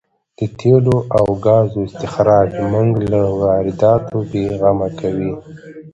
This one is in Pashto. د تېلو او ګازو استخراج موږ له وارداتو بې غمه کوي.